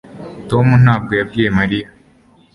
tom ntabwo yabwiye mariya